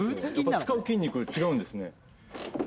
使う筋肉違うんですね。